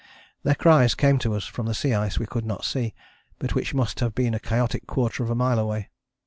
Their cries came to us from the sea ice we could not see, but which must have been a chaotic quarter of a mile away.